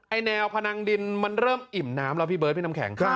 แนวพนังดินมันเริ่มอิ่มน้ำแล้วพี่เบิร์ดพี่น้ำแข็ง